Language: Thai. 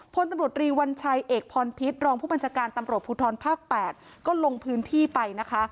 พตรีวัญชัยเอกพรพิชรองผู้บัญชการตพุทรภาค๘ก็ลงพื้นที่ไปนะคะ